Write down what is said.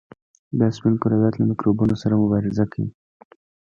دا سپین کرویات له میکروبونو سره مبارزه کوي.